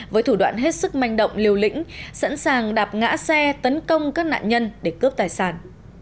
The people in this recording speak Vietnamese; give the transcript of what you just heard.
với thủ đoạn hết sức manh động liều lĩnh sẵn sàng đạp ngã xe tấn công các nạn nhân để cướp tài sản